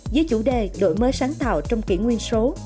với chủ đề đổi mới sáng tạo trong kỷ nguyên số